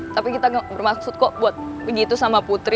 tapi kita bermaksud kok buat begitu sama putri